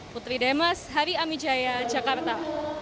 putri demes hari amijaya jakarta